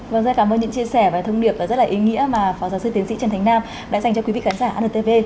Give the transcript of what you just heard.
vâng rất cảm ơn những chia sẻ và thông điệp rất là ý nghĩa mà phó giáo sư tiến sĩ trần thánh nam đã dành cho quý vị khán giả antv